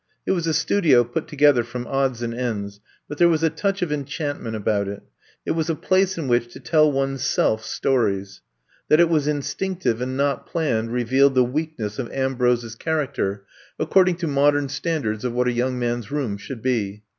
It was a studio put together from odds and ends, but there was a touch of enchantment about it. It was a place in which to tell one's self stories. That it was instinctive and not planned re vealed the weakness of Ambrose's charac ter, according to modem standards of what a young man's room should be.